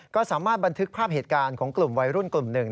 ก็สามารถบันทึกภาพเหตุการณ์ของกลุ่มวัยรุ่นกลุ่มหนึ่ง